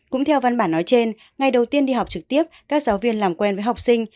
cũng theo văn bản nói trên ngày đầu tiên đi học trực tiếp các giáo viên làm quen với học sinh